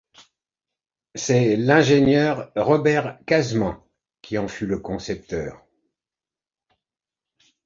C'est l'ingénieur Robert Casement qui en fut le concepteur.